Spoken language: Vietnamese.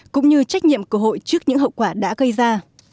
cũng như trách nhiệm của hội trước những hậu quả đã gây ra